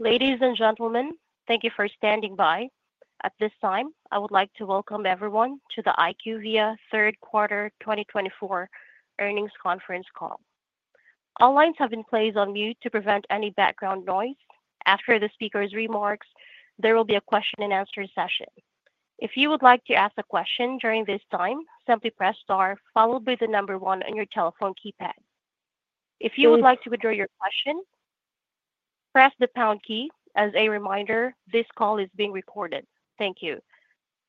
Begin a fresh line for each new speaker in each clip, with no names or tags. Ladies and gentlemen, thank you for standing by. At this time, I would like to welcome everyone to the IQVIA Third Quarter 2024 Earnings Conference call. All lines have been placed on mute to prevent any background noise. After the speaker's remarks, there will be a question-and-answer session. If you would like to ask a question during this time, simply press star, followed by the number one on your telephone keypad. If you would like to withdraw your question, press the pound key. As a reminder, this call is being recorded. Thank you.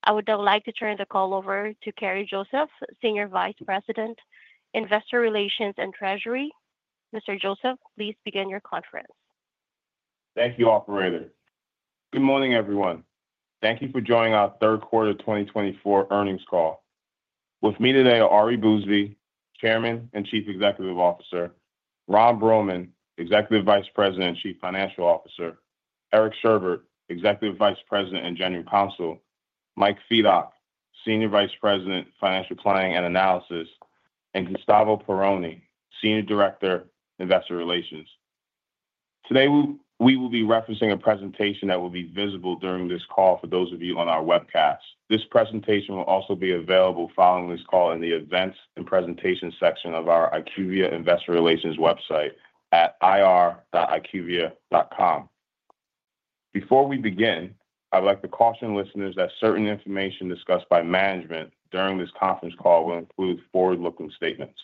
I would now like to turn the call over to Kerri Joseph, Senior Vice President, Investor Relations and Treasury. Mr. Joseph, please begin your conference.
Thank you, Operator. Good morning, everyone. Thank you for joining our Third Quarter 2024 Earnings call. With me today are Ari Bousbib, Chairman and Chief Executive Officer, Ron Bruehlman, Executive Vice President and Chief Financial Officer, Eric Sherbet, Executive Vice President and General Counsel, Mike Fedock, Senior Vice President, Financial Planning and Analysis, and Gustavo Perrone, Senior Director, Investor Relations. Today, we will be referencing a presentation that will be visible during this call for those of you on our webcast. This presentation will also be available following this call in the Events and Presentations section of our IQVIA Investor Relations website at ir.iqvia.com. Before we begin, I'd like to caution listeners that certain information discussed by management during this conference call will include forward-looking statements.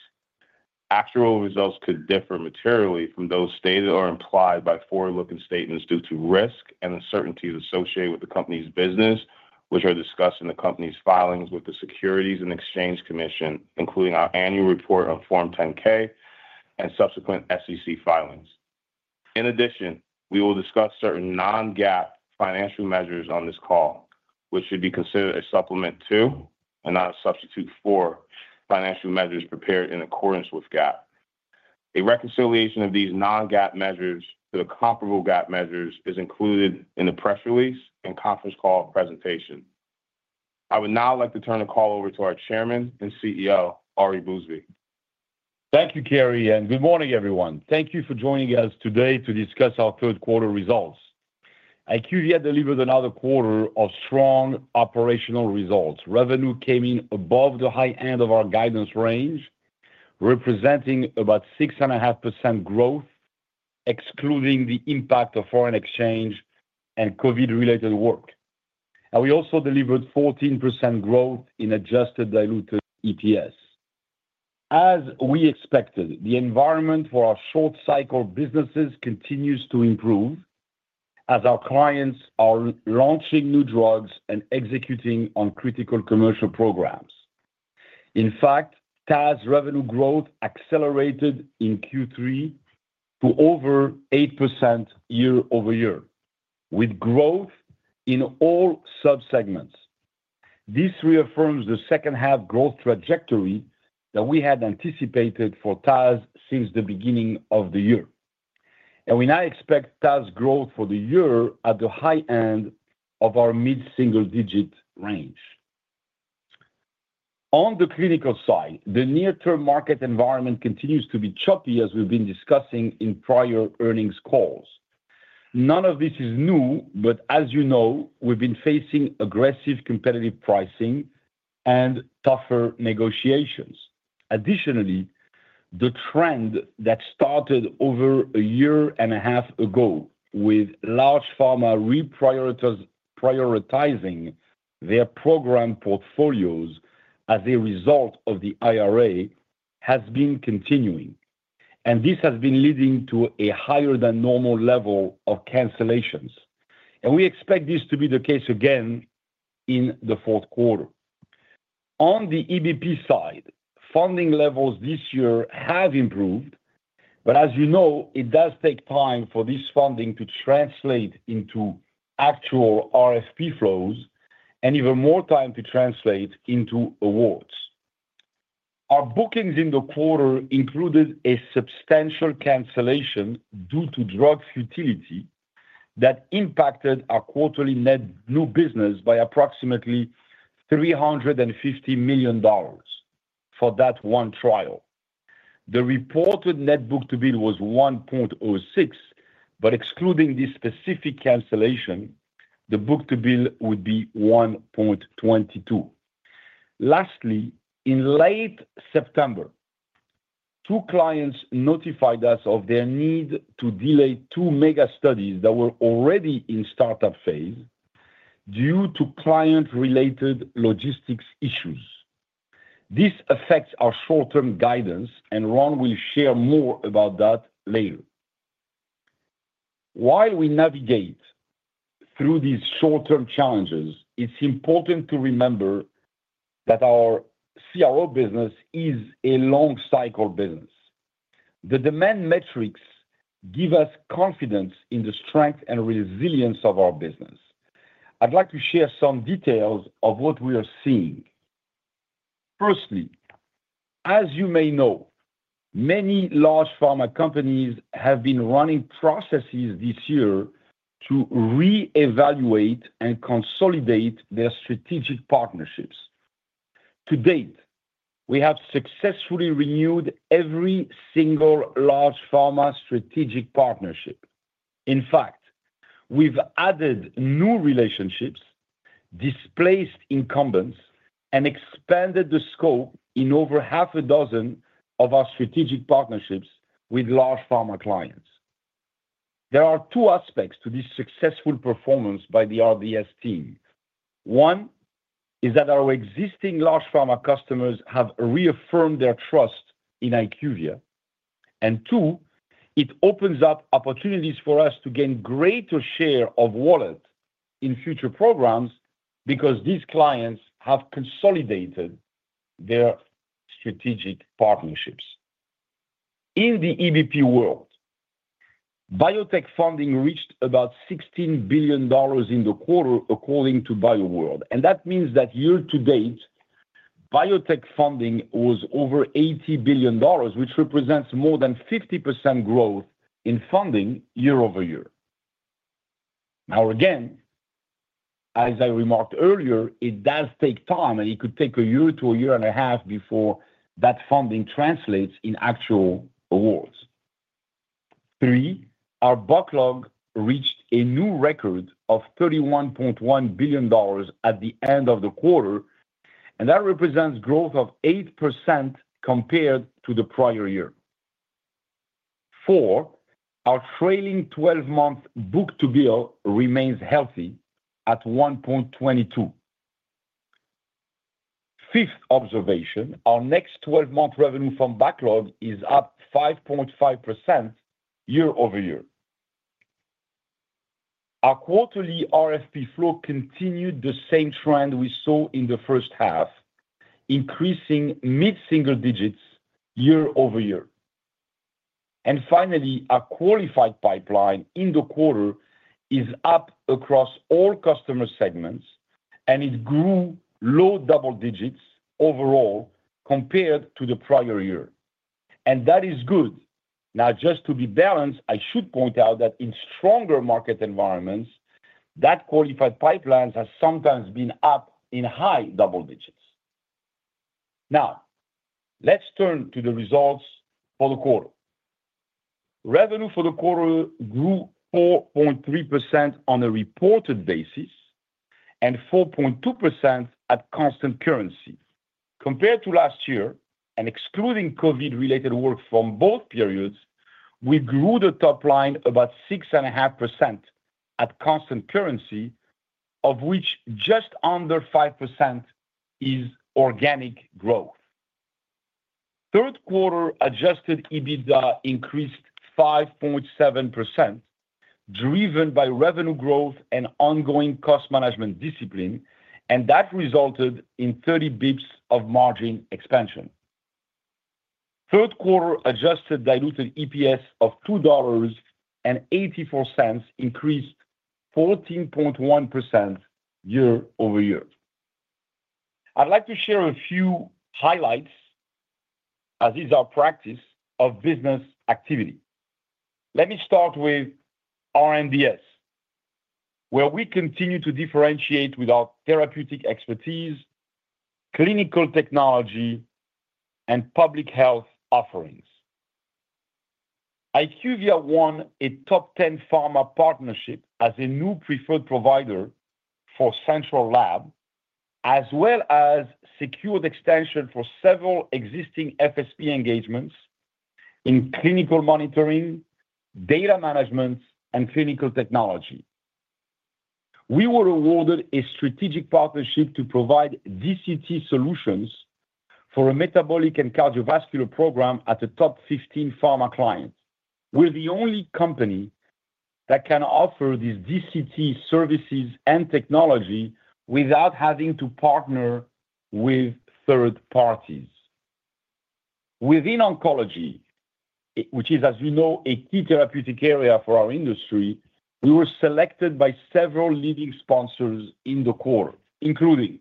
Actual results could differ materially from those stated or implied by forward-looking statements due to risks and uncertainties associated with the company's business, which are discussed in the company's filings with the Securities and Exchange Commission, including our annual report on Form 10-K and subsequent SEC filings. In addition, we will discuss certain non-GAAP financial measures on this call, which should be considered a supplement to and not a substitute for financial measures prepared in accordance with GAAP. A reconciliation of these non-GAAP measures to the comparable GAAP measures is included in the press release and conference call presentation. I would now like to turn the call over to our Chairman and CEO, Ari Bousbib.
Thank you, Kerri, and good morning, everyone. Thank you for joining us today to discuss our third quarter results. IQVIA delivered another quarter of strong operational results. Revenue came in above the high end of our guidance range, representing about 6.5% growth, excluding the impact of foreign exchange and COVID-related work, and we also delivered 14% growth in Adjusted Diluted EPS. As we expected, the environment for our short-cycle businesses continues to improve as our clients are launching new drugs and executing on critical commercial programs. In fact, TAS revenue growth accelerated in Q3 to over 8% year-over-year, with growth in all subsegments. This reaffirms the second-half growth trajectory that we had anticipated for TAS since the beginning of the year, and we now expect TAS growth for the year at the high end of our mid-single-digit range. On the clinical side, the near-term market environment continues to be choppy, as we've been discussing in prior earnings calls. None of this is new, but as you know, we've been facing aggressive competitive pricing and tougher negotiations. Additionally, the trend that started over a year and a half ago, with large pharma reprioritizing their program portfolios as a result of the IRA, has been continuing. And this has been leading to a higher-than-normal level of cancellations. And we expect this to be the case again in the fourth quarter. On the EBP side, funding levels this year have improved, but as you know, it does take time for this funding to translate into actual RFP flows and even more time to translate into awards. Our bookings in the quarter included a substantial cancellation due to drug futility that impacted our quarterly net new business by approximately $350 million for that one trial. The reported net book-to-bill was 1.06, but excluding this specific cancellation, the book-to-bill would be 1.22. Lastly, in late September, two clients notified us of their need to delay two mega studies that were already in startup phase due to client-related logistics issues. This affects our short-term guidance, and Ron will share more about that later. While we navigate through these short-term challenges, it's important to remember that our CRO business is a long-cycle business. The demand metrics give us confidence in the strength and resilience of our business. I'd like to share some details of what we are seeing. Firstly, as you may know, many large pharma companies have been running processes this year to reevaluate and consolidate their strategic partnerships. To date, we have successfully renewed every single large pharma strategic partnership. In fact, we've added new relationships, displaced incumbents, and expanded the scope in over half a dozen of our strategic partnerships with large pharma clients. There are two aspects to this successful performance by the R&DS team. One is that our existing large pharma customers have reaffirmed their trust in IQVIA, and two, it opens up opportunities for us to gain greater share of wallet in future programs because these clients have consolidated their strategic partnerships. In the EBP world, biotech funding reached about $16 billion in the quarter, according to BioWorld, and that means that year to date, biotech funding was over $80 billion, which represents more than 50% growth in funding year-over-year. Now, again, as I remarked earlier, it does take time, and it could take a year to a year and a half before that funding translates in actual awards. Three, our backlog reached a new record of $31.1 billion at the end of the quarter, and that represents growth of 8% compared to the prior year. Four, our trailing 12-month book-to-bill remains healthy at 1.22. Fifth observation, our next 12-month revenue from backlog is up 5.5% year-over-year. Our quarterly RFP flow continued the same trend we saw in the first half, increasing mid-single digits year-over-year. And finally, our qualified pipeline in the quarter is up across all customer segments, and it grew low double digits overall compared to the prior year. And that is good. Now, just to be balanced, I should point out that in stronger market environments, that qualified pipeline has sometimes been up in high double digits. Now, let's turn to the results for the quarter. Revenue for the quarter grew 4.3% on a reported basis and 4.2% at constant currency. Compared to last year, and excluding COVID-related work from both periods, we grew the top line about 6.5% at constant currency, of which just under 5% is organic growth. Third quarter adjusted EBITDA increased 5.7%, driven by revenue growth and ongoing cost management discipline, and that resulted in 30 basis points of margin expansion. Third quarter adjusted diluted EPS of $2.84 increased 14.1% year-over-year. I'd like to share a few highlights, as is our practice, of business activity. Let me start with R&DS, where we continue to differentiate with our therapeutic expertise, clinical technology, and public health offerings. IQVIA won a top 10 pharma partnership as a new preferred provider for central lab, as well as secured extension for several existing FSP engagements in clinical monitoring, data management, and clinical technology. We were awarded a strategic partnership to provide DCT solutions for a metabolic and cardiovascular program at the top 15 pharma clients. We're the only company that can offer these DCT services and technology without having to partner with third parties. Within oncology, which is, as you know, a key therapeutic area for our industry, we were selected by several leading sponsors in the quarter, including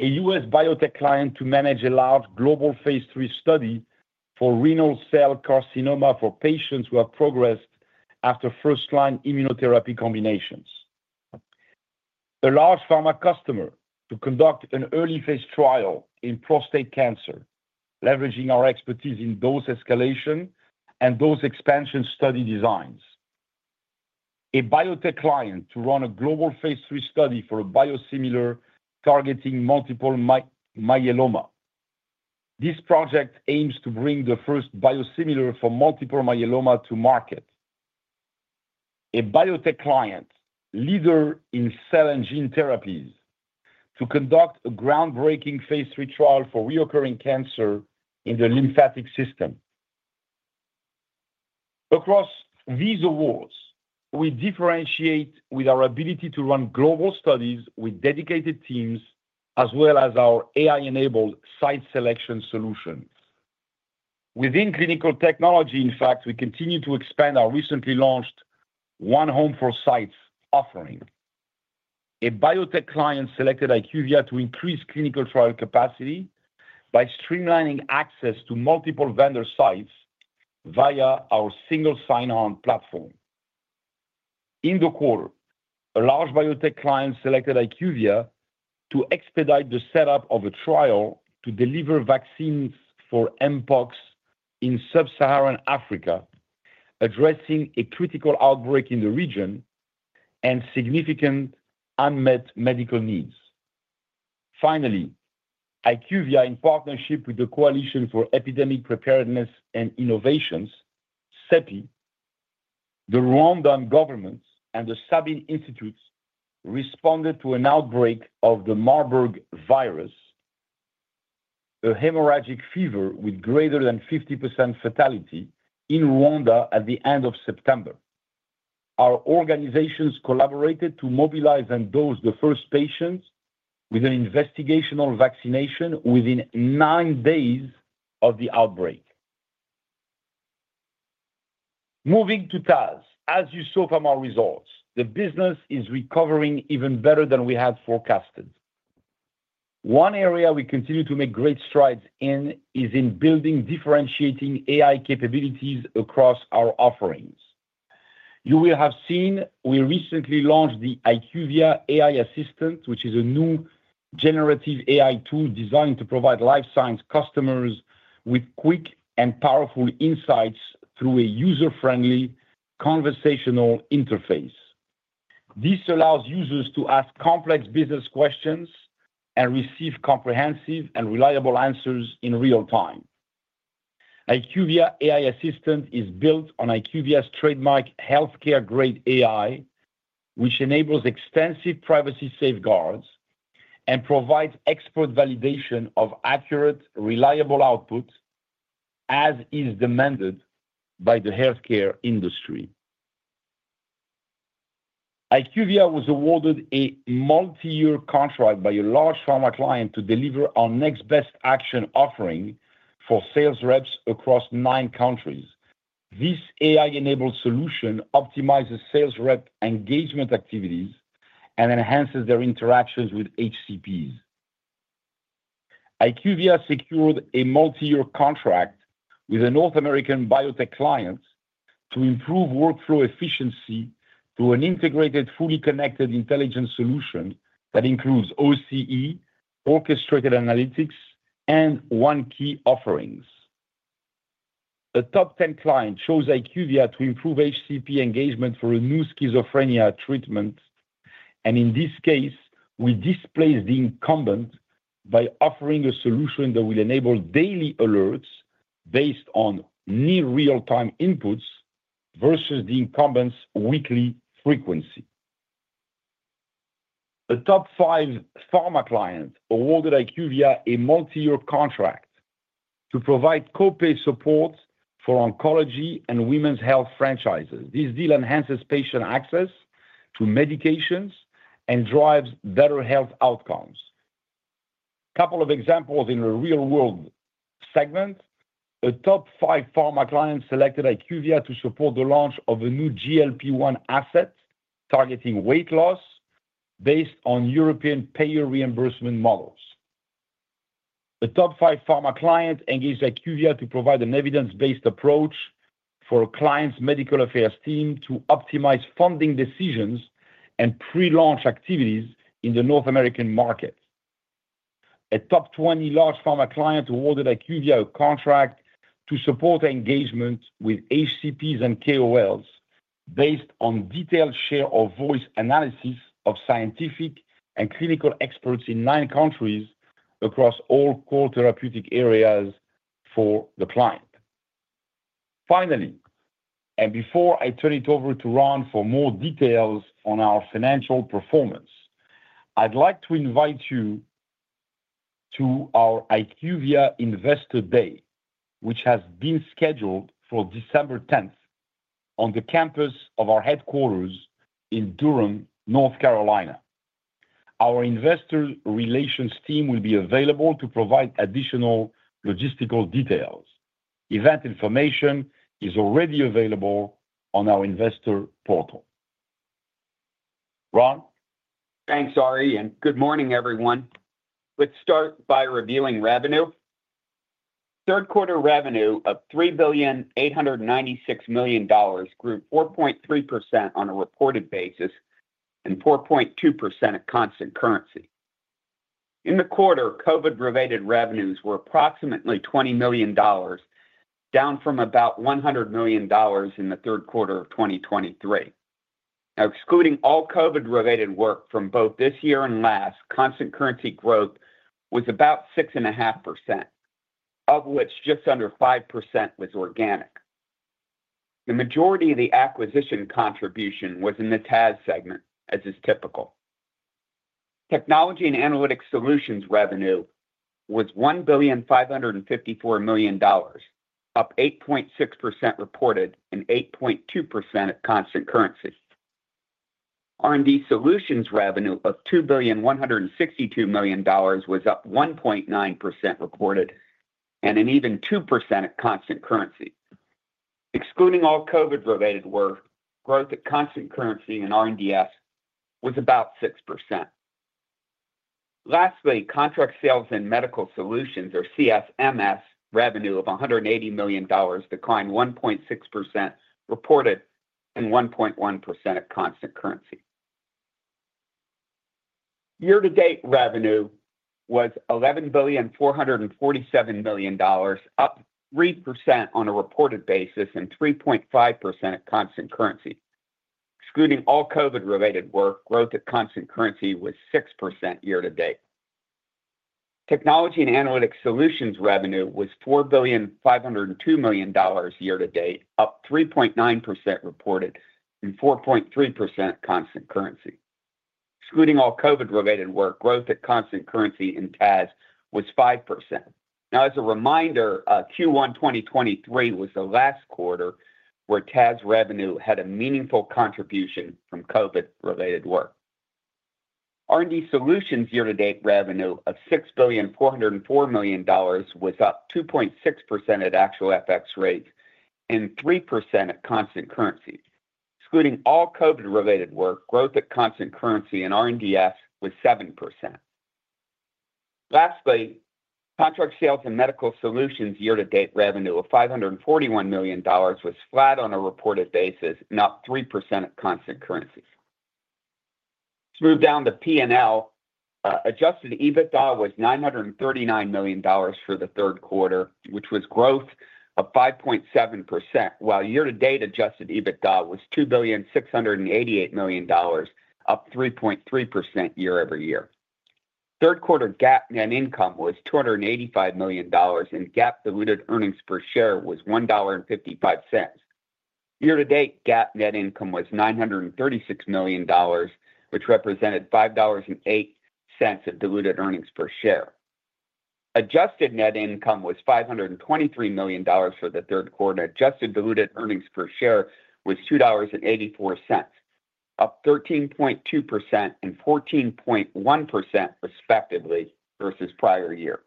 a U.S. biotech client to manage a large global phase three study for renal cell carcinoma for patients who have progressed after first-line immunotherapy combinations. A large pharma customer to conduct an early phase trial in prostate cancer, leveraging our expertise in dose escalation and dose expansion study designs. A biotech client to run a global phase three study for a biosimilar targeting multiple myeloma. This project aims to bring the first biosimilar for multiple myeloma to market. A biotech client, leader in cell and gene therapies, to conduct a groundbreaking phase three trial for reoccurring cancer in the lymphatic system. Across these awards, we differentiate with our ability to run global studies with dedicated teams, as well as our AI-enabled site selection solutions. Within clinical technology, in fact, we continue to expand our recently launched OneHome for Sites offering. A biotech client selected IQVIA to increase clinical trial capacity by streamlining access to multiple vendor sites via our single sign-on platform. In the quarter, a large biotech client selected IQVIA to expedite the setup of a trial to deliver vaccines for Mpox in sub-Saharan Africa, addressing a critical outbreak in the region and significant unmet medical needs. Finally, IQVIA, in partnership with the Coalition for Epidemic Preparedness and Innovations, CEPI, the Rwandan government, and the Sabin Vaccine Institute, responded to an outbreak of the Marburg virus, a hemorrhagic fever with greater than 50% fatality in Rwanda at the end of September. Our organizations collaborated to mobilize and dose the first patients with an investigational vaccination within nine days of the outbreak. Moving to TAS, as you saw from our results, the business is recovering even better than we had forecasted. One area we continue to make great strides in is in building differentiating AI capabilities across our offerings. You will have seen we recently launched the IQVIA AI Assistant, which is a new generative AI tool designed to provide life science customers with quick and powerful insights through a user-friendly conversational interface. This allows users to ask complex business questions and receive comprehensive and reliable answers in real time. IQVIA AI Assistant is built on IQVIA's trademark healthcare-grade AI, which enables extensive privacy safeguards and provides expert validation of accurate, reliable output, as is demanded by the healthcare industry. IQVIA was awarded a multi-year contract by a large pharma client to deliver our Next Best Action offering for sales reps across nine countries. This AI-enabled solution optimizes sales rep engagement activities and enhances their interactions with HCPs. IQVIA secured a multi-year contract with a North American biotech client to improve workflow efficiency through an integrated, fully connected intelligence solution that includes OCE, Orchestrated Analytics, and OneKey offerings. The top 10 client chose IQVIA to improve HCP engagement for a new schizophrenia treatment. And in this case, we displaced the incumbent by offering a solution that will enable daily alerts based on near real-time inputs versus the incumbent's weekly frequency. The top five pharma clients awarded IQVIA a multi-year contract to provide copay support for oncology and women's health franchises. This deal enhances patient access to medications and drives better health outcomes. A couple of examples in the real-world segment: a top five pharma client selected IQVIA to support the launch of a new GLP-1 asset targeting weight loss based on European payer reimbursement models. The top five pharma client engaged IQVIA to provide an evidence-based approach for clients' medical affairs team to optimize funding decisions and pre-launch activities in the North American market. A top 20 large pharma client awarded IQVIA a contract to support engagement with HCPs and KOLs based on detailed share of voice analysis of scientific and clinical experts in nine countries across all core therapeutic areas for the client. Finally, and before I turn it over to Ron for more details on our financial performance, I'd like to invite you to our IQVIA Investor Day, which has been scheduled for December 10th on the campus of our headquarters in Durham, North Carolina. Our investor relations team will be available to provide additional logistical details. Event information is already available on our investor portal. Ron?
Thanks, Ari, and good morning, everyone. Let's start by revealing revenue. Third quarter revenue of $3,896 million grew 4.3% on a reported basis and 4.2% at constant currency. In the quarter, COVID-related revenues were approximately $20 million, down from about $100 million in the third quarter of 2023. Now, excluding all COVID-related work from both this year and last, constant currency growth was about 6.5%, of which just under 5% was organic. The majority of the acquisition contribution was in the TAS segment, as is typical. Technology and Analytic Solutions revenue was $1,554 million, up 8.6% reported and 8.2% at constant currency. R&D Solutions revenue of $2,162 million was up 1.9% reported and an even 2% at constant currency. Excluding all COVID-related work, growth at constant currency in R&DS was about 6%. Lastly, contract sales and medical solutions, or CSMS, revenue of $180 million declined 1.6% reported and 1.1% at constant currency. Year-to-date revenue was $11,447 million, up 3% on a reported basis and 3.5% at constant currency. Excluding all COVID-related work, growth at constant currency was 6% year-to-date. Technology and analytic solutions revenue was $4,502 million year-to-date, up 3.9% reported and 4.3% at constant currency. Excluding all COVID-related work, growth at constant currency in TAS was 5%. Now, as a reminder, Q1 2023 was the last quarter where TAS revenue had a meaningful contribution from COVID-related work. R&D solutions year-to-date revenue of $6,404 million was up 2.6% at actual FX rate and 3% at constant currency. Excluding all COVID-related work, growth at constant currency in R&DS was 7%. Lastly, Contract Sales and Medical Solutions year-to-date revenue of $541 million was flat on a reported basis, and up 3% at constant currency. Let's move down to P&L. Adjusted EBITDA was $939 million for the third quarter, which was growth of 5.7%, while year-to-date Adjusted EBITDA was $2,688 million, up 3.3% year-over-year. Third quarter GAAP net income was $285 million, and GAAP diluted earnings per share was $1.55. Year-to-date GAAP net income was $936 million, which represented $5.08 of diluted earnings per share. Adjusted net income was $523 million for the third quarter, and adjusted diluted earnings per share was $2.84, up 13.2% and 14.1% respectively versus prior year.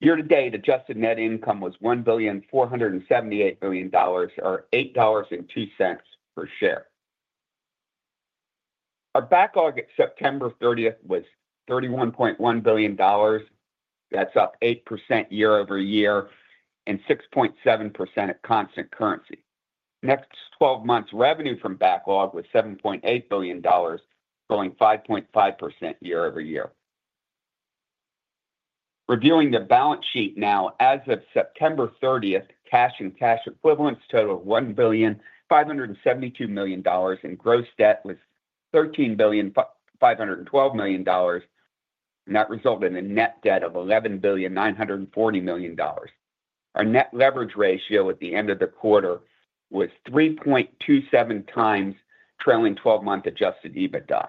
Year-to-date adjusted net income was $1,478 million, or $8.02 per share. Our backlog at September 30th was $31.1 billion. That's up 8% year-over-year and 6.7% at constant currency. Next 12 months' revenue from backlog was $7.8 billion, growing 5.5% year-over-year. Reviewing the balance sheet now, as of September 30th, cash and cash equivalents totaled $1,572 million, and gross debt was $13,512 million, and that resulted in a net debt of $11,940 million. Our net leverage ratio at the end of the quarter was 3.27 times trailing 12-month adjusted EBITDA.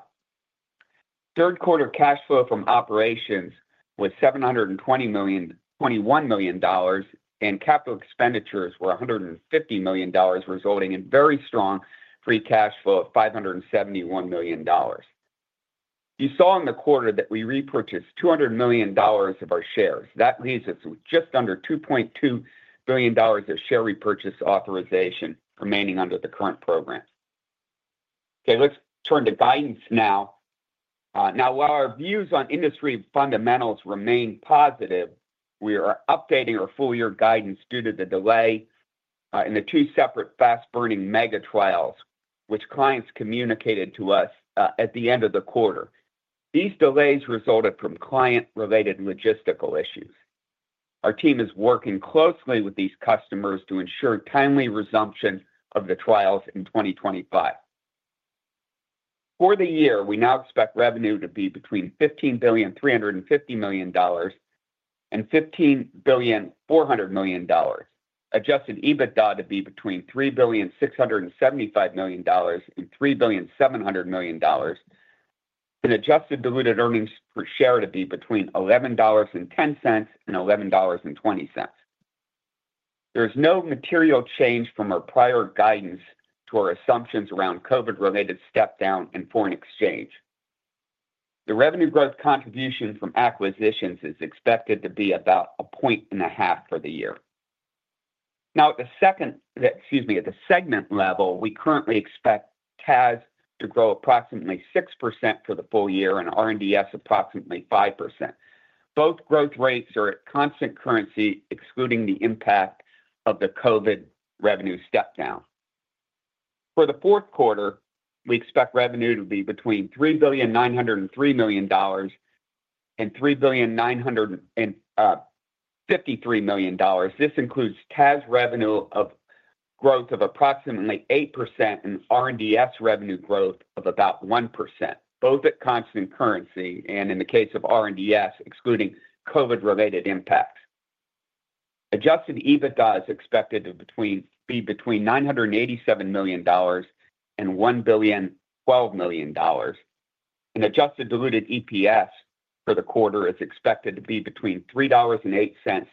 Third quarter cash flow from operations was $721 million, and capital expenditures were $150 million, resulting in very strong free cash flow of $571 million. You saw in the quarter that we repurchased $200 million of our shares. That leaves us with just under $2.2 billion of share repurchase authorization remaining under the current program. Okay, let's turn to guidance now. Now, while our views on industry fundamentals remain positive, we are updating our full-year guidance due to the delay in the two separate fast-burning mega trials, which clients communicated to us at the end of the quarter. These delays resulted from client-related logistical issues. Our team is working closely with these customers to ensure timely resumption of the trials in 2025. For the year, we now expect revenue to be between $15,350 million and $15,400 million, Adjusted EBITDA to be between $3,675 million and $3,700 million, and adjusted diluted earnings per share to be between $11.10 and $11.20. There is no material change from our prior guidance to our assumptions around COVID-related step-down in foreign exchange. The revenue growth contribution from acquisitions is expected to be about a point and a half for the year. Now, at the second, excuse me, at the segment level, we currently expect TAS to grow approximately 6% for the full year and R&DS approximately 5%. Both growth rates are at constant currency, excluding the impact of the COVID revenue step-down. For the fourth quarter, we expect revenue to be between $3,903 million and $3,953 million. This includes TAS revenue of growth of approximately 8% and R&DS revenue growth of about 1%, both at constant currency and in the case of R&DS, excluding COVID-related impacts. Adjusted EBITDA is expected to be between $987 million and $1,012 million, and adjusted diluted EPS for the quarter is expected to be between $3.08 and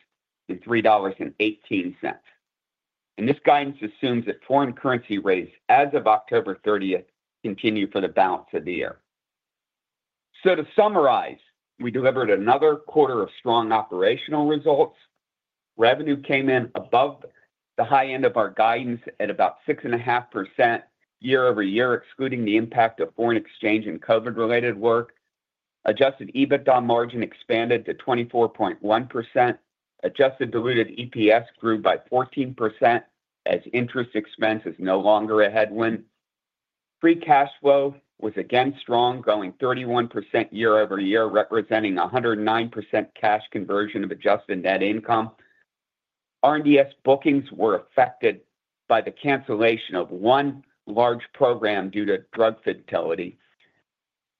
$3.18, and this guidance assumes that foreign currency rates, as of October 30th, continue for the balance of the year, so to summarize, we delivered another quarter of strong operational results. Revenue came in above the high end of our guidance at about 6.5% year-over-year, excluding the impact of foreign exchange and COVID-related work. Adjusted EBITDA margin expanded to 24.1%. Adjusted diluted EPS grew by 14% as interest expense is no longer a headwind. Free cash flow was again strong, growing 31% year-over-year, representing 109% cash conversion of adjusted net income. R&DS bookings were affected by the cancellation of one large program due to futility.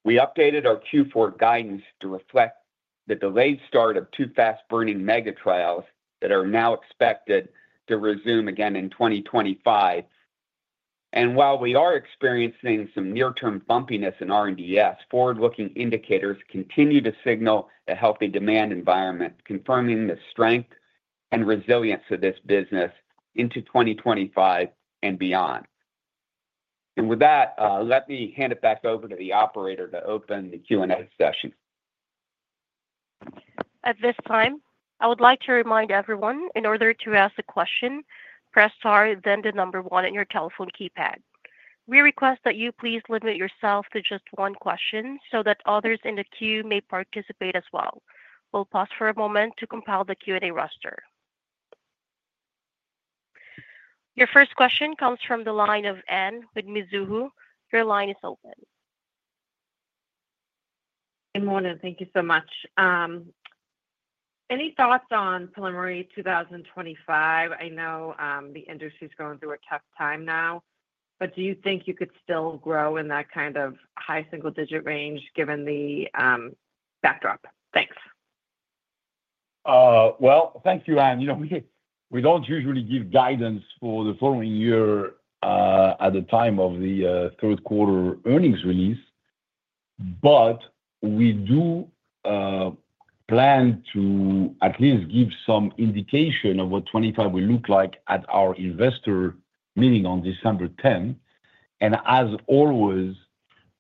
We updated our Q4 guidance to reflect the delayed start of two fast-burning mega trials that are now expected to resume again in 2025, and while we are experiencing some near-term bumpiness in R&DS, forward-looking indicators continue to signal a healthy demand environment, confirming the strength and resilience of this business into 2025 and beyond, and with that, let me hand it back over to the operator to open the Q&A session.
At this time, I would like to remind everyone, in order to ask a question, press star, then the number one in your telephone keypad. We request that you please limit yourself to just one question so that others in the queue may participate as well. We'll pause for a moment to compile the Q&A roster. Your first question comes from the line of Anne with Mizuho. Your line is open. Good morning. Thank you so much. Any thoughts on preliminary 2025? I know the industry is going through a tough time now, but do you think you could still grow in that kind of high single-digit range given the backdrop? Thanks.
Well, thank you, Anne. We don't usually give guidance for the following year at the time of the third quarter earnings release, but we do plan to at least give some indication of what 2025 will look like at our investor meeting on December 10, and as always,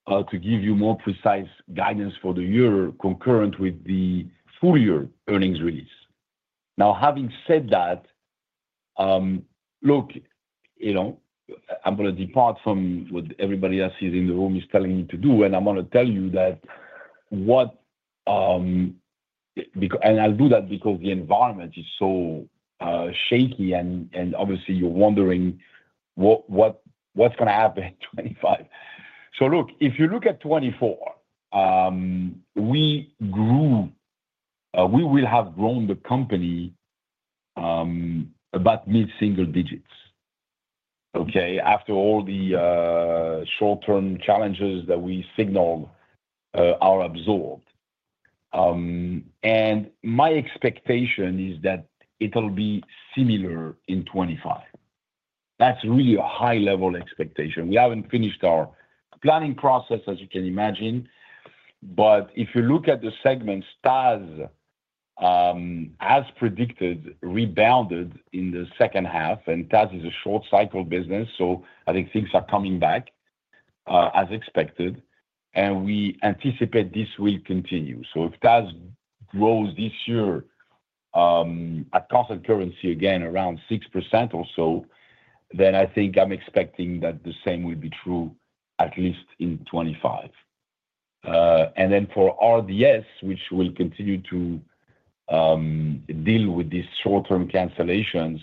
to give you more precise guidance for the year concurrent with the full-year earnings release. Now, having said that, look, I'm going to depart from what everybody else is in the room is telling me to do, and I'm going to tell you that what, and I'll do that because the environment is so shaky, and obviously, you're wondering what's going to happen in 2025, so look, if you look at 2024, we will have grown the company about mid-single digits, okay, after all the short-term challenges that we signaled are absorbed, and my expectation is that it'll be similar in 2025. That's really a high-level expectation. We haven't finished our planning process, as you can imagine, but if you look at the segment, TAS, as predicted, rebounded in the second half, and TAS is a short-cycle business, so I think things are coming back as expected, and we anticipate this will continue. If TAS grows this year at constant currency again around 6% or so, then I think I'm expecting that the same will be true at least in 2025. And then for R&DS, which will continue to deal with these short-term cancellations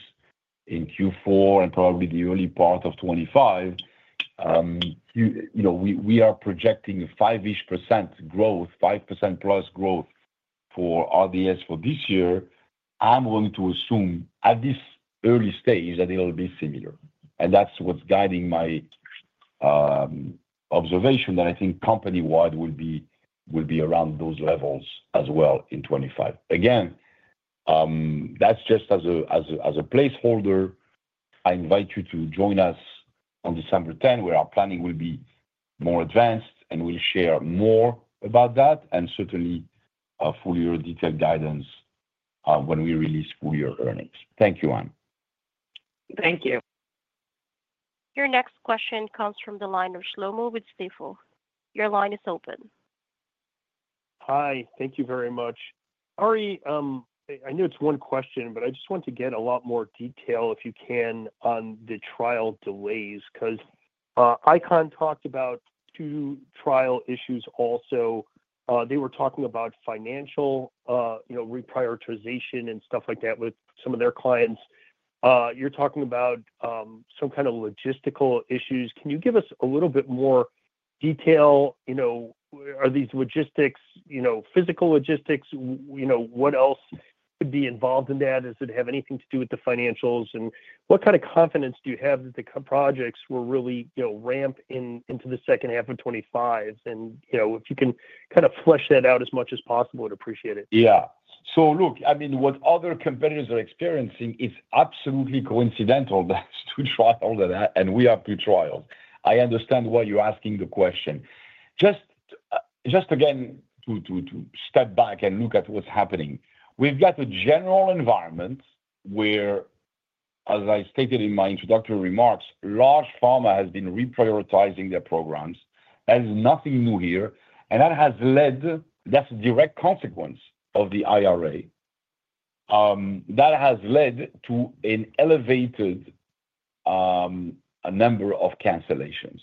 in Q4 and probably the early part of 2025, we are projecting a 5-ish % growth, 5% plus growth for R&DS for this year. I'm going to assume at this early stage that it'll be similar, and that's what's guiding my observation that I think company-wide will be around those levels as well in 2025. Again, that's just as a placeholder. I invite you to join us on December 10, where our planning will be more advanced, and we'll share more about that and certainly full-year detailed guidance when we release full-year earnings. Thank you, Anne. Thank you.
Your next question comes from the line of Shlomo with Stifel. Your line is open. Hi. Thank you very much. Ari, I know it's one question, but I just want to get a lot more detail, if you can, on the trial delays because ICON talked about two trial issues also. They were talking about financial reprioritization and stuff like that with some of their clients. You're talking about some kind of logistical issues. Can you give us a little bit more detail? Are these logistics, physical logistics? What else could be involved in that? Does it have anything to do with the financials? And what kind of confidence do you have that the projects will really ramp into the second half of 2025? And if you can kind of flesh that out as much as possible, I'd appreciate it. Yeah.
So, look, I mean, what other competitors are experiencing is absolutely coincidental that it's two trials and we have two trials. I understand why you're asking the question. Just again, to step back and look at what's happening, we've got a general environment where, as I stated in my introductory remarks, large pharma has been reprioritizing their programs. That is nothing new here, and that has led to an elevated number of cancellations. That's a direct consequence of the IRA.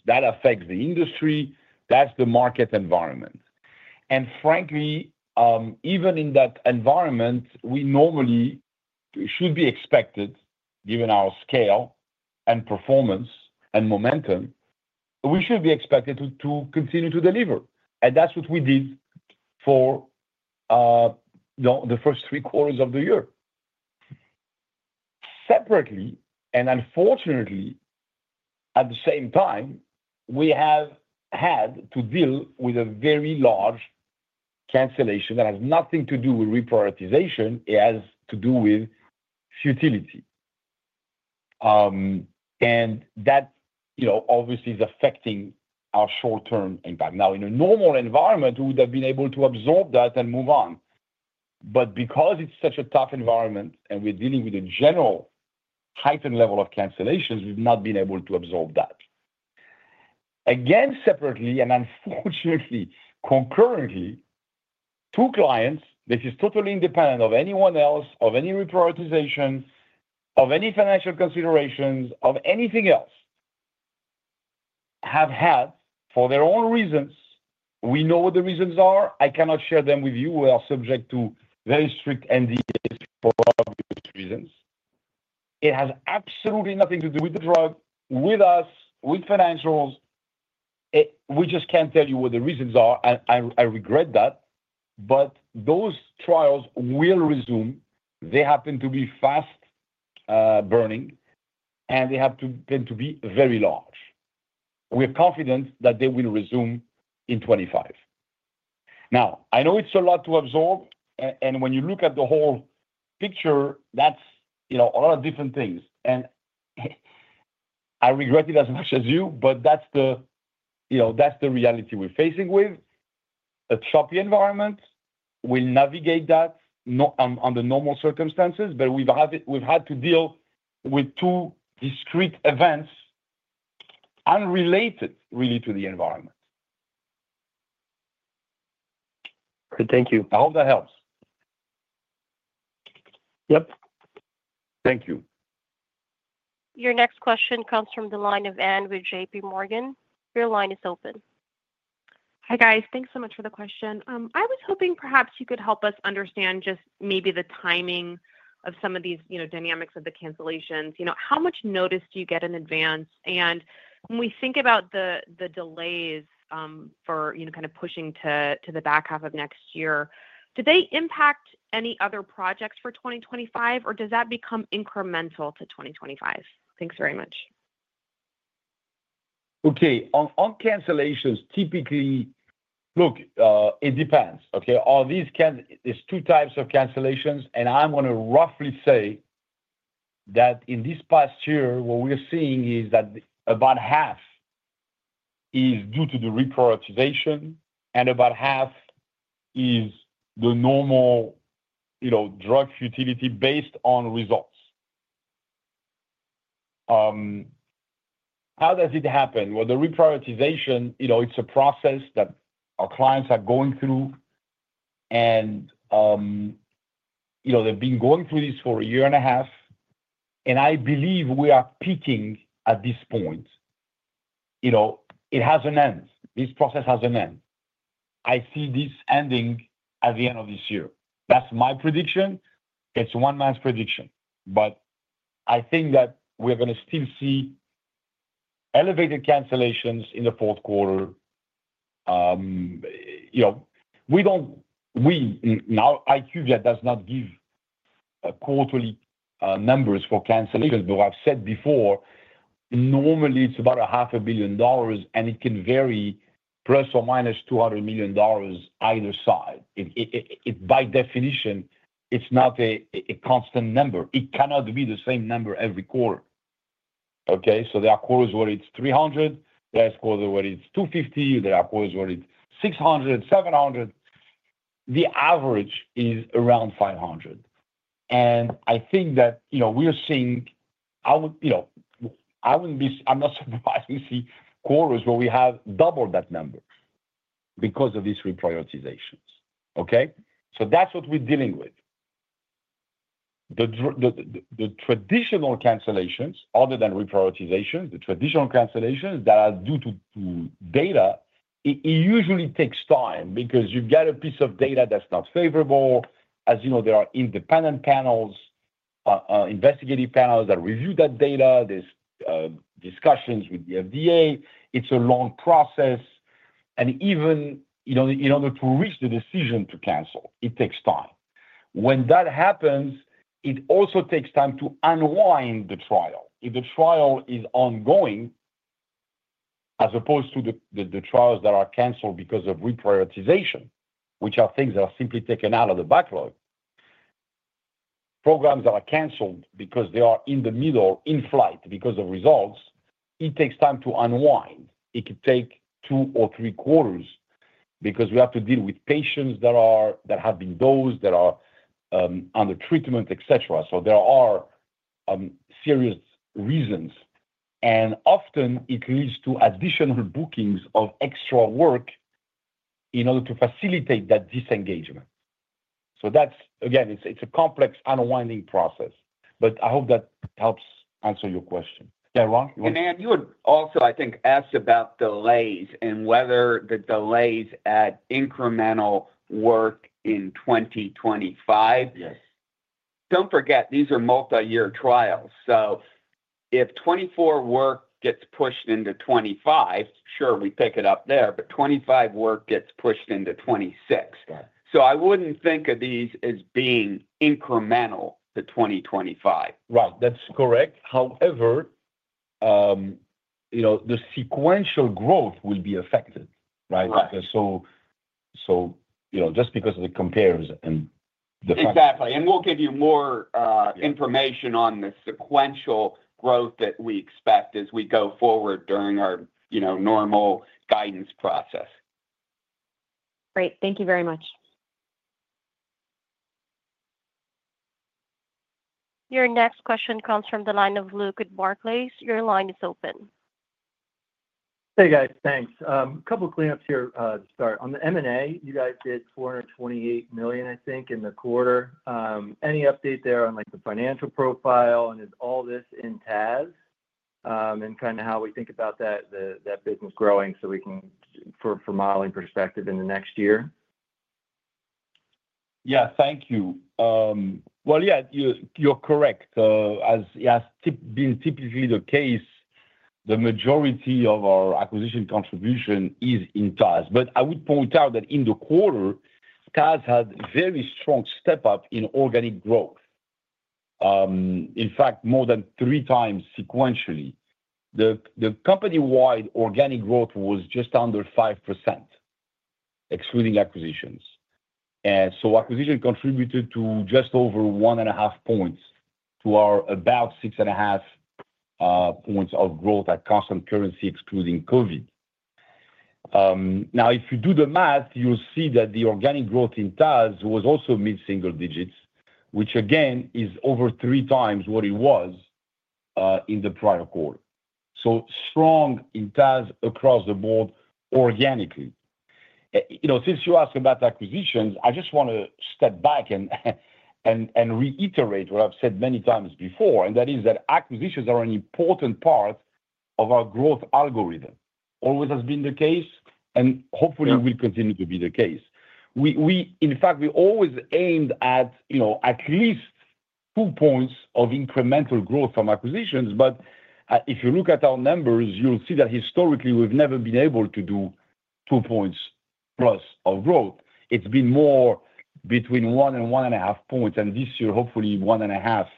That affects the industry. That's the market environment. And frankly, even in that environment, we normally should be expected, given our scale and performance and momentum, to continue to deliver. And that's what we did for the first three quarters of the year. Separately, and unfortunately, at the same time, we have had to deal with a very large cancellation that has nothing to do with reprioritization. It has to do with futility. And that obviously is affecting our short-term impact. Now, in a normal environment, we would have been able to absorb that and move on. But because it's such a tough environment and we're dealing with a general heightened level of cancellations, we've not been able to absorb that. Again, separately and unfortunately concurrently, two clients, this is totally independent of anyone else, of any reprioritization, of any financial considerations, of anything else, have had, for their own reasons. We know what the reasons are. I cannot share them with you. We are subject to very strict NDAs for obvious reasons. It has absolutely nothing to do with the drug, with us, with financials. We just can't tell you what the reasons are, and I regret that. But those trials will resume. They happen to be fast-burning, and they happen to be very large. We're confident that they will resume in 2025. Now, I know it's a lot to absorb, and when you look at the whole picture, that's a lot of different things. And I regret it as much as you, but that's the reality we're facing with. A choppy environment. We'll navigate that under normal circumstances, but we've had to deal with two discrete events unrelated, really, to the environment. All right. Thank you. I hope that helps. Yep.
Thank you. Your next question comes from the line of Anne with J.P. Morgan. Your line is open. Hi, guys. Thanks so much for the question. I was hoping perhaps you could help us understand just maybe the timing of some of these dynamics of the cancellations. How much notice do you get in advance? And when we think about the delays for kind of pushing to the back half of next year, do they impact any other projects for 2025, or does that become incremental to 2025? Thanks very much. Okay.
On cancellations, typically, look, it depends. Okay? There's two types of cancellations, and I'm going to roughly say that in this past year, what we're seeing is that about half is due to the reprioritization and about half is the normal drug futility based on results. How does it happen? Well, the reprioritization, it's a process that our clients are going through, and they've been going through this for a year and a half. And I believe we are peaking at this point. It has an end. This process has an end. I see this ending at the end of this year. That's my prediction. It's one man's prediction. But I think that we're going to still see elevated cancellations in the fourth quarter. Now, IQVIA does not give quarterly numbers for cancellations, but I've said before, normally, it's about $500 million, and it can vary plus or minus $200 million either side. By definition, it's not a constant number. It cannot be the same number every quarter. Okay? So there are quarters where it's 300. There are quarters where it's 250. There are quarters where it's 600, 700. The average is around 500. And I think that we're seeing. I'm not surprised to see quarters where we have doubled that number because of these reprioritizations. Okay? So that's what we're dealing with. The traditional cancellations, other than reprioritizations, the traditional cancellations that are due to data, it usually takes time because you've got a piece of data that's not favorable. As you know, there are independent panels, investigative panels that review that data. There's discussions with the FDA. It's a long process, and even in order to reach the decision to cancel, it takes time. When that happens, it also takes time to unwind the trial. If the trial is ongoing, as opposed to the trials that are canceled because of reprioritization, which are things that are simply taken out of the backlog, programs that are canceled because they are in the middle, in flight because of results, it takes time to unwind. It could take two or three quarters because we have to deal with patients that have been dosed, that are under treatment, etc., so there are serious reasons. And often, it leads to additional bookings of extra work in order to facilitate that disengagement. So again, it's a complex unwinding process. But I hope that helps answer your question. Yeah, Ron? And Anne, you had also, I think, asked about delays and whether the delays at incremental work in 2025. Yes. Don't forget, these are multi-year trials. So if 2024 work gets pushed into 2025, sure, we pick it up there, but 2025 work gets pushed into 2026. So I wouldn't think of these as being incremental to 2025. Right. That's correct. However, the sequential growth will be affected, right? So just because of the comparison and the fact. Exactly. And we'll give you more information on the sequential growth that we expect as we go forward during our normal guidance process. Great. Thank you very much.
Your next question comes from the line of Luke at Barclays.Your line is open. Hey, guys. Thanks. A couple of cleanups here to start. On the M&A, you guys did $428 million, I think, in the quarter. Any update there on the financial profile? And is all this in TAS and kind of how we think about that business growing for modeling perspective in the next year?
Yeah. Thank you. Well, yeah, you're correct. As has been typically the case, the majority of our acquisition contribution is in TAS. But I would point out that in the quarter, TAS had very strong step-up in organic growth, in fact, more than three times sequentially. The company-wide organic growth was just under 5%, excluding acquisitions. And so acquisition contributed to just over one and a half points to our about six and a half points of growth at constant currency, excluding COVID. Now, if you do the math, you'll see that the organic growth in TAS was also mid-single digits, which, again, is over three times what it was in the prior quarter. So strong in TAS across the board organically. Since you asked about acquisitions, I just want to step back and reiterate what I've said many times before, and that is that acquisitions are an important part of our growth algorithm. Always has been the case, and hopefully, will continue to be the case. In fact, we always aimed at least two points of incremental growth from acquisitions, but if you look at our numbers, you'll see that historically, we've never been able to do two points plus of growth. It's been more between one and one and a half points and this year, hopefully, one and a half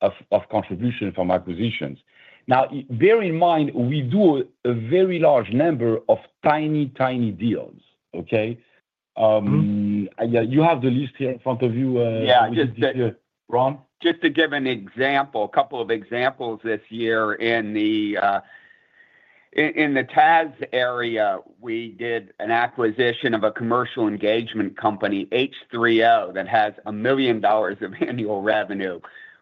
of contribution from acquisitions. Now, bear in mind, we do a very large number of tiny, tiny deals. Okay? You have the list here in front of you. Yeah. Just to give an example, a couple of examples this year in the TAS area, we did an acquisition of a commercial engagement company, H3O, that has $1 million of annual revenue.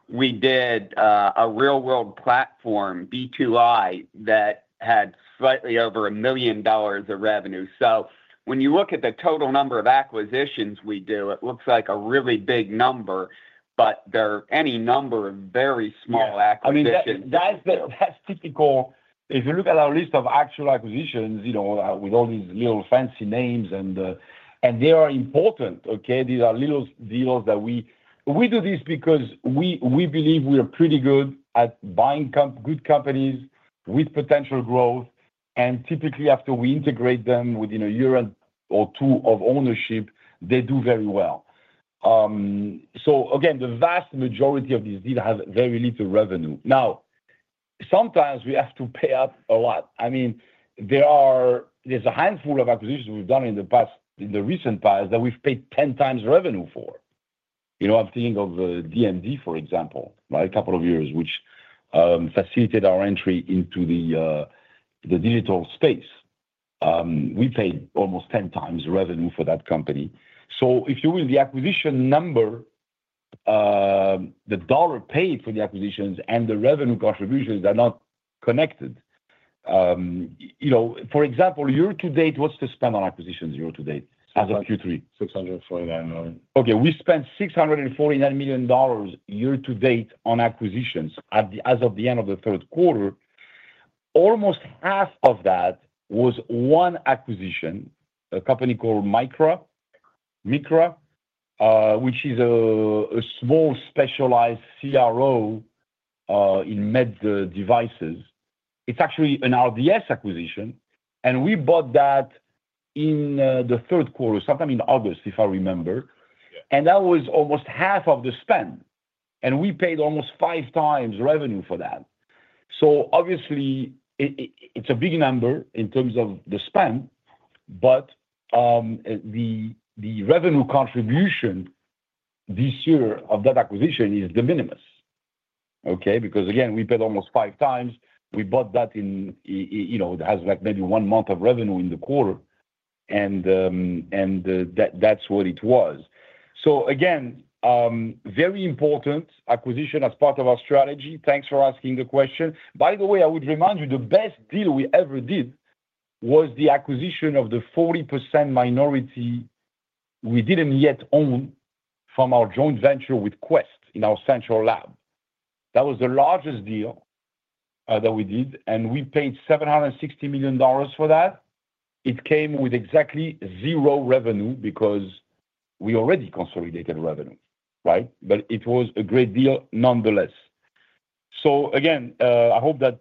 We did a real-world platform, B2i, that had slightly over $1 million of revenue. So when you look at the total number of acquisitions we do, it looks like a really big number, but there are any number of very small acquisitions. I mean, that's typical. If you look at our list of actual acquisitions with all these little fancy names, and they are important. Okay? These are little deals that we do this because we believe we are pretty good at buying good companies with potential growth. Typically, after we integrate them within a year or two of ownership, they do very well. So again, the vast majority of these deals have very little revenue. Now, sometimes we have to pay up a lot. I mean, there's a handful of acquisitions we've done in the recent past that we've paid 10 times revenue for. I'm thinking of DMD, for example, a couple of years, which facilitated our entry into the digital space. We paid almost 10 times revenue for that company. So if you will, the acquisition number, the dollar paid for the acquisitions and the revenue contributions are not connected. For example, year to date, what's the spend on acquisitions year to date as of Q3? $649 million. Okay. We spent $649 million year to date on acquisitions as of the end of the third quarter. Almost half of that was one acquisition, a company called MCRA, which is a small specialized CRO in med devices. It's actually an RDS acquisition. We bought that in the third quarter, sometime in August, if I remember. That was almost half of the spend. We paid almost five times revenue for that. So obviously, it's a big number in terms of the spend. But the revenue contribution this year of that acquisition is minimal. Okay? Because again, we paid almost five times. We bought that in. It has maybe one month of revenue in the quarter. That's what it was. So again, very important acquisition as part of our strategy. Thanks for asking the question. By the way, I would remind you, the best deal we ever did was the acquisition of the 40% minority we didn't yet own from our joint venture with Quest in our central lab. That was the largest deal that we did. And we paid $760 million for that. It came with exactly zero revenue because we already consolidated revenue. Right? But it was a great deal nonetheless. So again, I hope that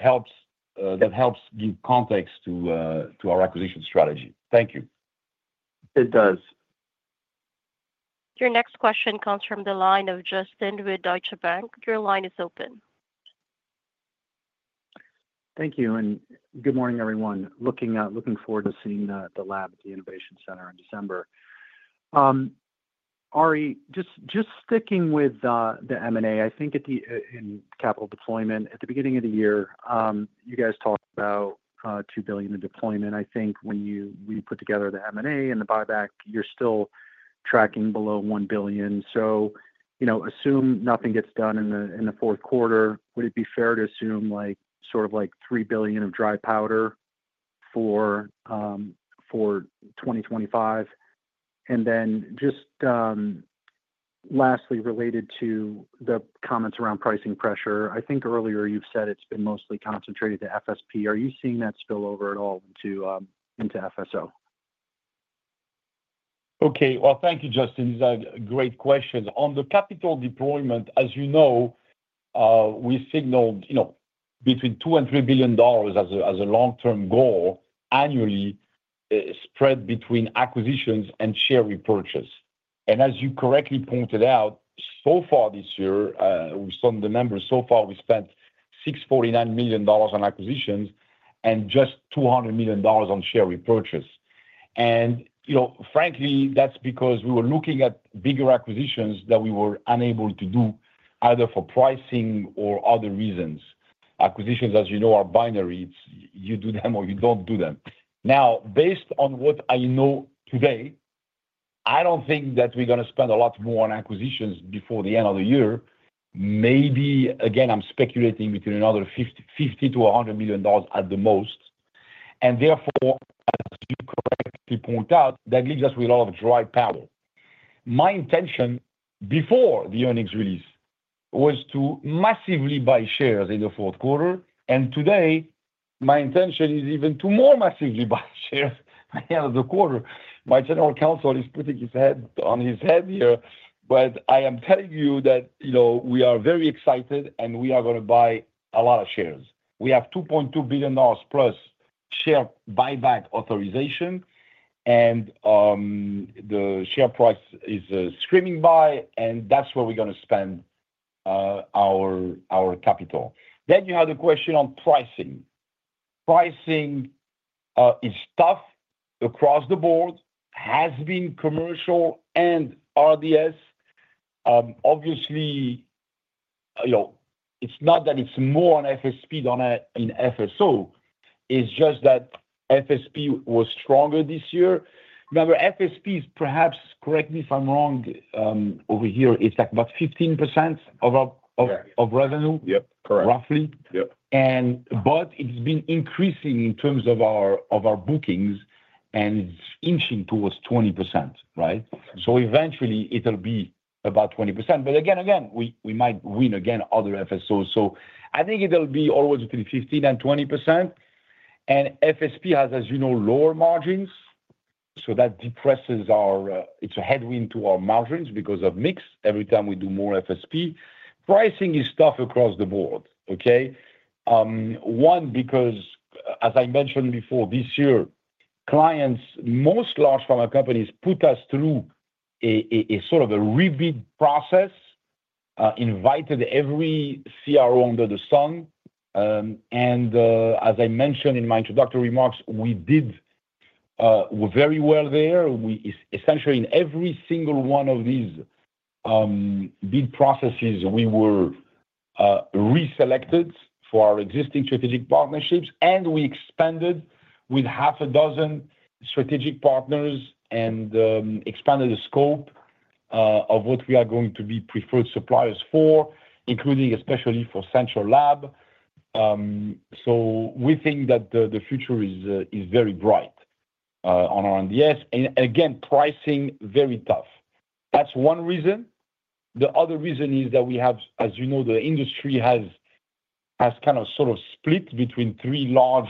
helps give context to our acquisition strategy. Thank you. It does.
Your next question comes from the line of Justin Bowers with Deutsche Bank. Your line is open.
Thank you. And good morning, everyone. Looking forward to seeing the lab at the Innovation Center in December. Ari, just sticking with the M&A, I think in capital deployment, at the beginning of the year, you guys talked about $2 billion in deployment. I think when we put together the M&A and the buyback, you're still tracking below $1 billion, so assume nothing gets done in the fourth quarter. Would it be fair to assume sort of like $3 billion of dry powder for 2025, and then just lastly, related to the comments around pricing pressure, I think earlier you've said it's been mostly concentrated to FSP. Are you seeing that spill over at all into FSO?
Okay, well, thank you, Justin. These are great questions. On the capital deployment, as you know, we signaled between $2 and $3 billion as a long-term goal annually spread between acquisitions and share repurchase. And as you correctly pointed out, so far this year, we've summed the numbers, so far, we spent $649 million on acquisitions and just $200 million on share repurchase. And frankly, that's because we were looking at bigger acquisitions that we were unable to do either for pricing or other reasons. Acquisitions, as you know, are binary. You do them or you don't do them. Now, based on what I know today, I don't think that we're going to spend a lot more on acquisitions before the end of the year. Maybe, again, I'm speculating between another $50-$100 million at the most. And therefore, as you correctly point out, that leaves us with a lot of dry powder. My intention before the earnings release was to massively buy shares in the fourth quarter. And today, my intention is even to more massively buy shares by the end of the quarter. My general counsel is putting his head on his head here. But I am telling you that we are very excited, and we are going to buy a lot of shares. We have $2.2 billion plus share buyback authorization. And the share price is screaming buy. And that's where we're going to spend our capital. Then you have the question on pricing. Pricing is tough across the board, has been commercial and RDS. Obviously, it's not that it's more on FSP than in FSO. It's just that FSP was stronger this year. Remember, FSP is perhaps, correct me if I'm wrong, over here, it's about 15% of revenue.
Yep. Correct.
Roughly.
Yep.
But it's been increasing in terms of our bookings, and it's inching towards 20%. Right? So eventually, it'll be about 20%. But again, we might win against other FSOs. So I think it'll be always between 15% and 20%. And FSP has, as you know, lower margins. So that depresses our. It's a headwind to our margins because of mix every time we do more FSP. Pricing is tough across the board. Okay? One, because, as I mentioned before, this year, clients, most large pharma companies, put us through a sort of a rebate process, invited every CRO under the sun. And as I mentioned in my introductory remarks, we did very well there. Essentially, in every single one of these bid processes, we were reselected for our existing strategic partnerships. And we expanded with half a dozen strategic partners and expanded the scope of what we are going to be preferred suppliers for, including especially for central lab. So we think that the future is very bright on R&DS. And again, pricing very tough. That's one reason. The other reason is that we have, as you know, the industry has kind of sort of split between three large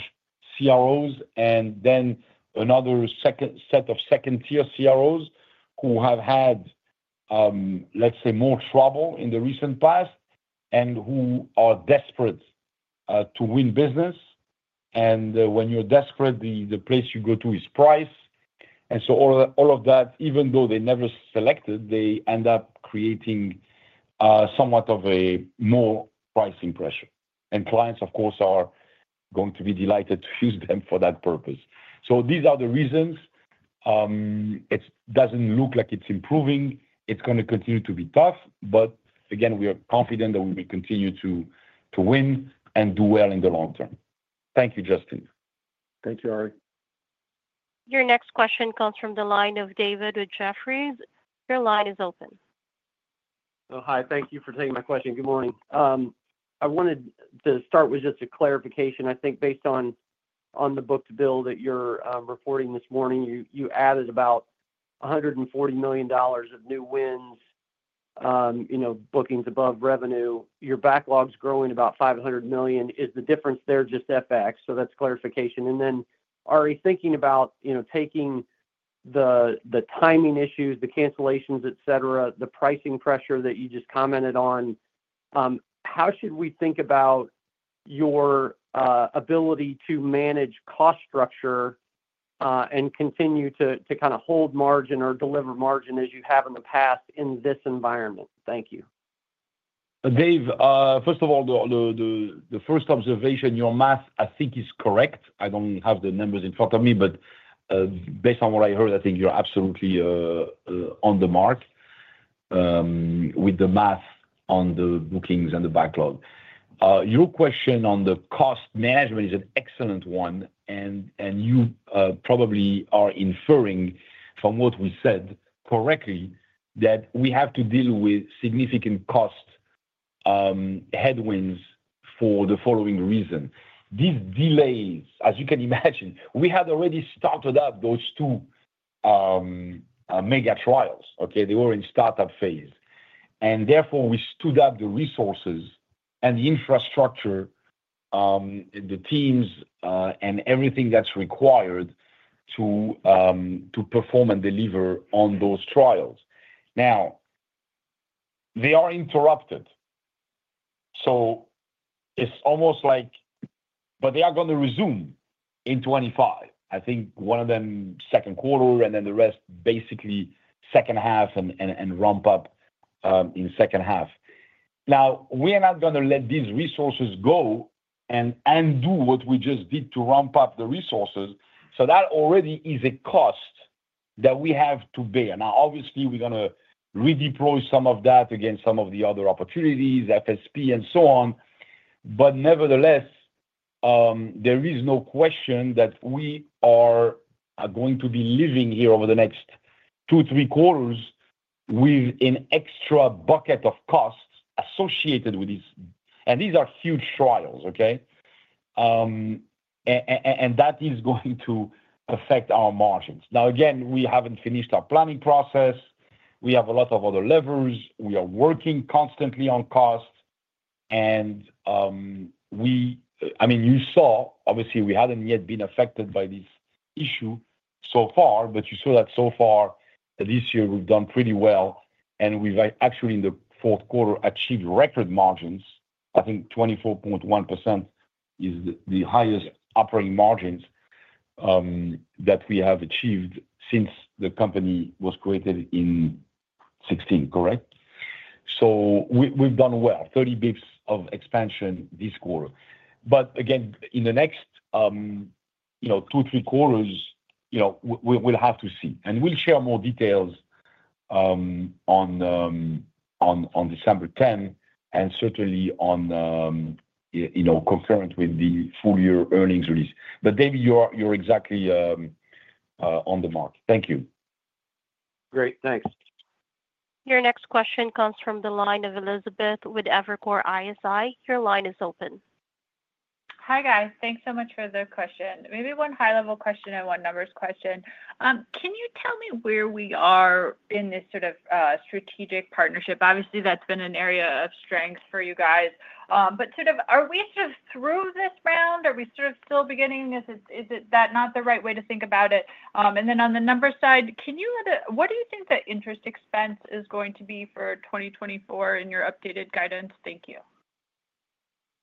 CROs and then another set of second-tier CROs who have had, let's say, more trouble in the recent past and who are desperate to win business. And when you're desperate, the place you go to is price. And so all of that, even though they never selected, they end up creating somewhat of a more pricing pressure. And clients, of course, are going to be delighted to use them for that purpose. So these are the reasons. It doesn't look like it's improving. It's going to continue to be tough. But again, we are confident that we will continue to win and do well in the long term. Thank you, Justin.
Thank you, Ari.
Your next question comes from the line of David with Jefferies. Your line is open. Hi. Thank you for taking my question. Good morning. I wanted to start with just a clarification. I think based on the book-to-bill that you're reporting this morning, you added about $140 million of new wins, bookings above revenue. Your backlog's growing about $500 million. Is the difference there just FX? So that's clarification. And then, Ari, thinking about taking the timing issues, the cancellations, etc., the pricing pressure that you just commented on, how should we think about your ability to manage cost structure and continue to kind of hold margin or deliver margin as you have in the past in this environment? Thank you.
Dave, first of all, the first observation, your math, I think, is correct. I don't have the numbers in front of me. But based on what I heard, I think you're absolutely on the mark with the math on the bookings and the backlog. Your question on the cost management is an excellent one. And you probably are inferring from what we said correctly that we have to deal with significant cost headwinds for the following reason. These delays, as you can imagine, we had already started up those two mega trials. Okay? They were in startup phase. And therefore, we stood up the resources and the infrastructure, the teams, and everything that's required to perform and deliver on those trials. Now, they are interrupted. So it's almost like. But they are going to resume in 2025. I think one of them second quarter and then the rest basically second half and ramp up in second half. Now, we are not going to let these resources go and do what we just did to ramp up the resources. So that already is a cost that we have to bear. Now, obviously, we're going to redeploy some of that against some of the other opportunities, FSP, and so on. But nevertheless, there is no question that we are going to be living here over the next two, three quarters with an extra bucket of costs associated with these. And these are huge trials. Okay? And that is going to affect our margins. Now, again, we haven't finished our planning process. We have a lot of other levers. We are working constantly on cost. And I mean, you saw, obviously, we hadn't yet been affected by this issue so far. But you saw that so far this year we've done pretty well. And we've actually, in the fourth quarter, achieved record margins. I think 24.1% is the highest operating margins that we have achieved since the company was created in 2016. Correct? So we've done well, 30 basis points of expansion this quarter. But again, in the next two, three quarters, we'll have to see. And we'll share more details on December 10 and certainly concurrent with the full-year earnings release. But Dave, you're exactly on the mark. Thank you. Great. Thanks.
Your next question comes from the line of Elizabeth Anderson with Evercore ISI. Your line is open.
Hi, guys. Thanks so much for the question. Maybe one high-level question and one numbers question. Can you tell me where we are in this sort of strategic partnership? Obviously, that's been an area of strength for you guys. But sort of are we sort of through this round? Are we sort of still beginning? Is that not the right way to think about it? And then on the numbers side, what do you think the interest expense is going to be for 2024 in your updated guidance? Thank you.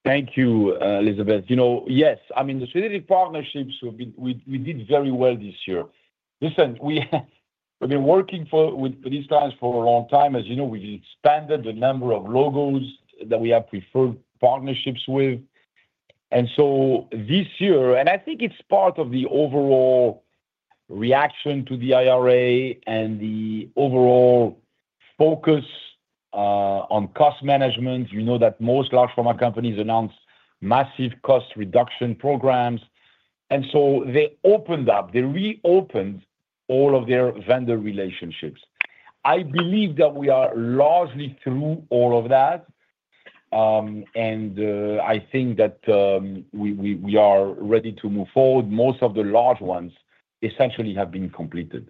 Thank you, Elizabeth. Yes. I mean, the strategic partnerships, we did very well this year. Listen, we've been working with these clients for a long time. As you know, we expanded the number of logos that we have preferred partnerships with. And so this year, and I think it's part of the overall reaction to the IRA and the overall focus on cost management. You know that most large pharma companies announce massive cost reduction programs. And so they opened up. They reopened all of their vendor relationships. I believe that we are largely through all of that. And I think that we are ready to move forward. Most of the large ones essentially have been completed.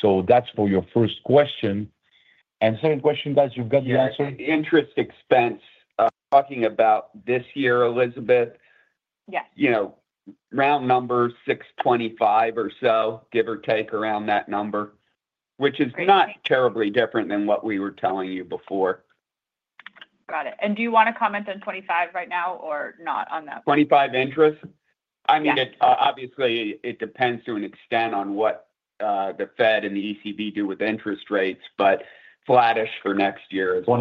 So that's for your first question. And second question, guys, you've got the answer? Interest expense. Talking about this year, Elizabeth? Yes. Round number 625 or so, give or take around that number, which is not terribly different than what we were telling you before. Got it. And do you want to comment on 25 right now or not on that? 25 interest? I mean, obviously, it depends to an extent on what the Fed and the ECB do with interest rates. But flattish for next year is what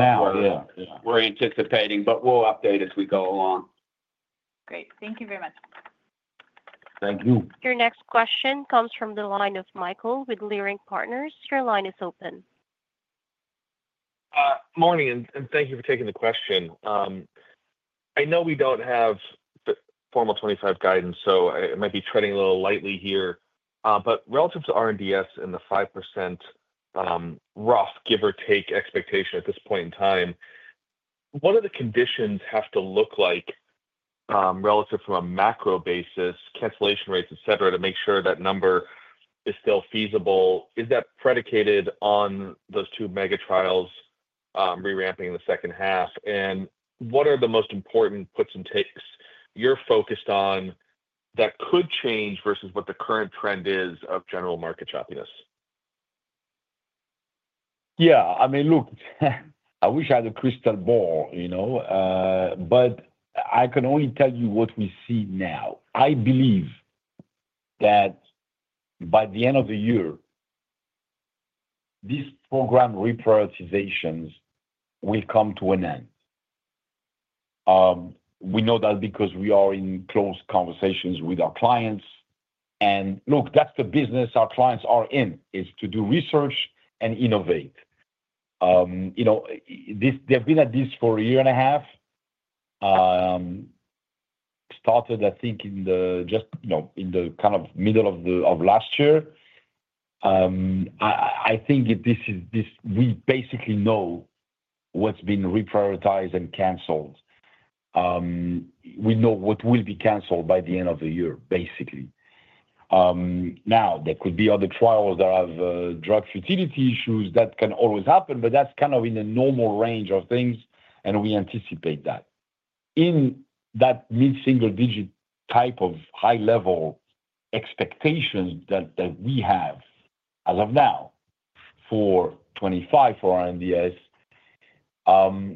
we're anticipating. But we'll update as we go along.
Great. Thank you very much.
Thank you.
Your next question comes from the line of Michael with Leerink Partners. Your line is open. Morning. And thank you for taking the question. I know we don't have formal 2025 guidance, so I might be treading a little lightly here. But relative to R&DS and the 5% growth, give or take expectation at this point in time, what do the conditions have to look like relative to a macro basis, cancellation rates, etc., to make sure that number is still feasible? Is that predicated on those two mega trials reramping in the second half? And what are the most important puts and takes you're focused on that could change versus what the current trend is of general market choppiness?
Yeah. I mean, look. I wish I had a crystal ball. But I can only tell you what we see now. I believe that by the end of the year, these program reprioritizations will come to an end. We know that because we are in close conversations with our clients. And look, that's the business our clients are in, is to do research and innovate. They've been at this for a year and a half. Started, I think, just in the kind of middle of last year. I think we basically know what's been reprioritized and canceled. We know what will be canceled by the end of the year, basically. Now, there could be other trials that have drug futility issues. That can always happen. But that's kind of in the normal range of things. And we anticipate that. In that mid-single-digit type of high-level expectations that we have as of now for 2025 for R&DS,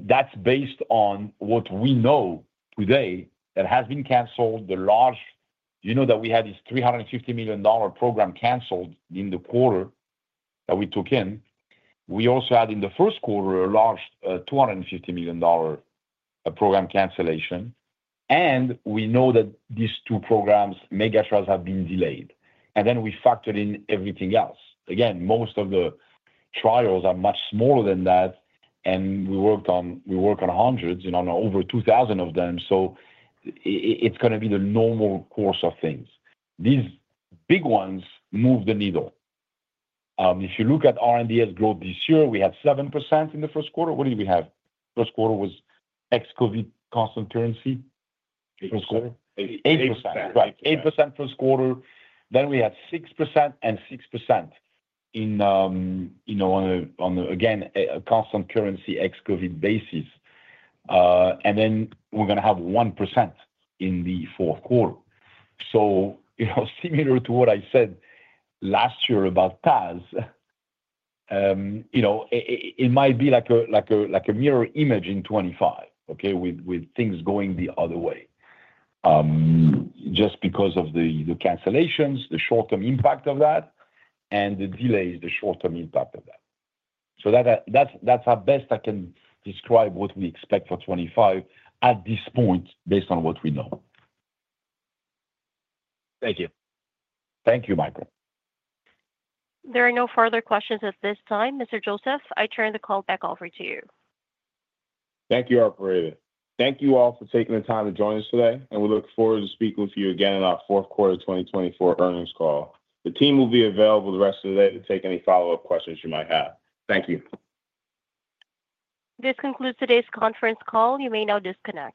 that's based on what we know today that has been canceled. The large that we had is $350 million program canceled in the quarter that we took in. We also had in the first quarter a large $250 million program cancellation. We know that these two programs, mega trials, have been delayed. Then we factored in everything else. Again, most of the trials are much smaller than that. We work on hundreds and on over 2,000 of them. So it's going to be the normal course of things. These big ones move the needle. If you look at R&DS growth this year, we had 7% in the first quarter. What did we have? First quarter was ex-COVID constant currency. First quarter? 8%. Right. 8% first quarter. Then we had 6% and 6% in, again, a constant currency ex-COVID basis. Then we're going to have 1% in the fourth quarter. So similar to what I said last year about TAS, it might be like a mirror image in 2025, okay, with things going the other way just because of the cancellations, the short-term impact of that, and the delays, the short-term impact of that. So that's how best I can describe what we expect for 2025 at this point based on what we know. Thank you. Thank you, Michael.
There are no further questions at this time. Mr. Joseph, I turn the call back over to you.
Thank you, Ari. Thank you all for taking the time to join us today. And we look forward to speaking with you again in our fourth quarter 2024 earnings call. The team will be available the rest of the day to take any follow-up questions you might have. Thank you. This concludes today's conference call. You may now disconnect.